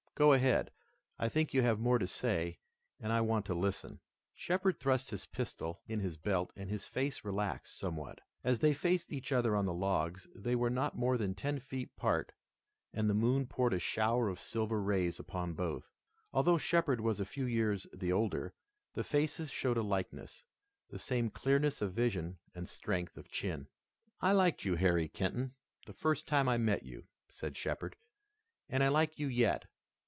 Go ahead, I think you have more to say and I want to listen." Shepard thrust his pistol in his belt and his face relaxed somewhat. As they faced each other on the logs they were not more than ten feet part and the moon poured a shower of silver rays upon both. Although Shepard was a few years the older, the faces showed a likeness, the same clearness of vision and strength of chin. "I liked you, Harry Kenton, the first time I met you," said Shepard, "and I like you yet.